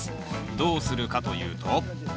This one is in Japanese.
どうするかというと？